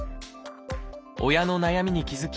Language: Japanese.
親の悩みに気付き